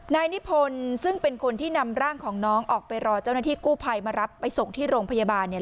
นายนิพนธ์ซึ่งเป็นคนที่นำร่างของน้องออกไปรอเจ้าหน้าที่กู้ภัยมารับไปส่งที่โรงพยาบาลเนี่ย